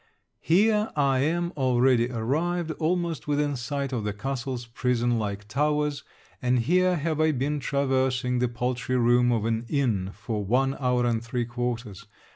Here I am already arrived almost within sight of the castle's prison like towers, and here have I been traversing the paltry room of an inn for one hour and three quarters.